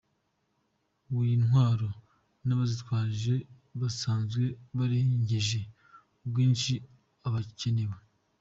w’intwaro n’abazitwaje basanzwe barengeje ubwinshi abakenewe.